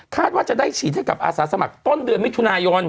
ว่าจะได้ฉีดให้กับอาสาสมัครต้นเดือนมิถุนายน